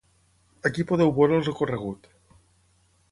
Ací podeu veure el recorregut.